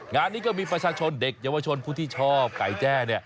งานนี้ก็มีประชาชนเด็กเยาวชนผู้ที่ชอบไก่แจ้